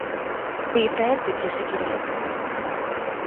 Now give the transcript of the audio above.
Péter ciprusi királytól.